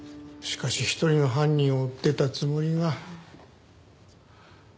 しかし一人の犯人を追ってたつもりが。